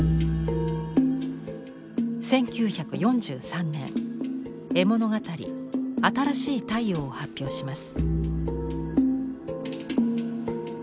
１９４３年絵物語「あたらしい太陽」を発表します。